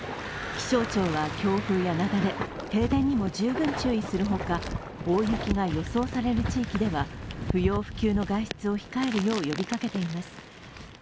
気象庁は強風や雪崩、停電にも十分注意するほか大雪が予想される地域では不要不急の外出を控えるよう呼びかけています。